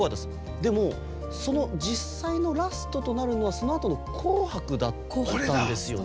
でも実際のラストとなるのはそのあとの「紅白」だったんですよね。